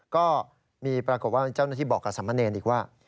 ก็มีปรากฏว่าเจ้าหน้าที่บอกกับสมเนรอีกว่า